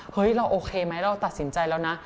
เราโอเคไหมเราตัดสินใจแล้วนะ